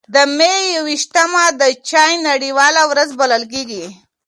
د مې یو ویشتمه د چای نړیواله ورځ بلل کېږي.